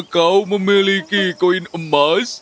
kau memiliki koin emas